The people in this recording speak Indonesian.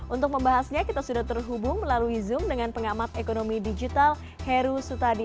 untuk membahasnya kita sudah terhubung melalui zoom dengan pengamat ekonomi digital heru sutadi